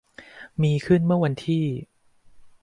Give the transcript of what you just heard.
มีขึ้นเมื่อวันที่